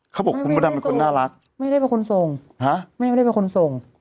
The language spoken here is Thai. เขาบอกคุณพระดำเป็นคนน่ารักไม่ได้เป็นคนส่งฮะแม่ไม่ได้เป็นคนส่ง